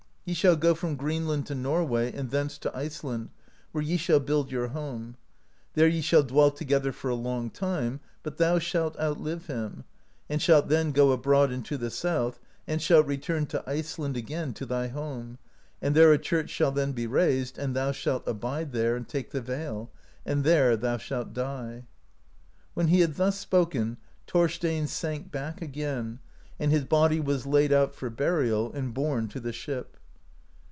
Ye shall go from Greenland to Nor w^ay, and thence to Iceland, where ye shall build your home. There ye shall dwell together for a long time, but thou shalt outlive him, and shalt then go abroad and to the South, and shalt return to Iceland again, to thy home, and there a church sliall then be raised, and tliou shalt abide there and take the veil, and there thou shalt die," When he had thus spoken, Thorstein sank back again, and his body was laid out for burial, and borne to the ship.